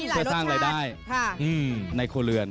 เพื่อสร้างรายได้ในครัวเรือน